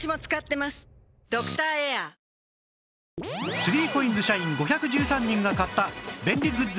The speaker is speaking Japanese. ３ＣＯＩＮＳ 社員５１３人が買った便利グッズ